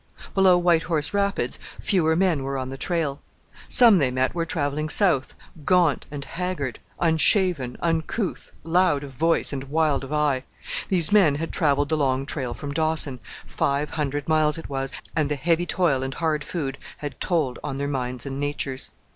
Below White Horse Rapids fewer men were on the trail. Some they met were travelling south, gaunt and haggard, unshaven, uncouth, loud of voice and wild of eye. These men had travelled the long trail from Dawson five hundred miles it was; and the heavy toil and hard food had told on their minds and natures.